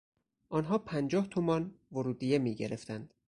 آنها پنجاه تومان ورودیه میگرفتند.